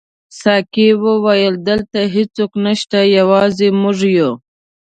ساقي وویل: دلته هیڅوک نشته، یوازې موږ یو.